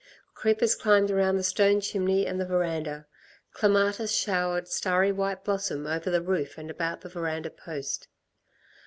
Creepers climbed around the stone chimney and the verandah; clematis showered starry white blossom over the roof and about the verandah post.